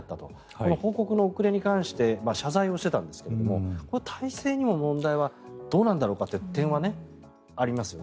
この報告の遅れに関して謝罪をしていたんですが体制にも問題はどうなんだろうかという点はありますよね。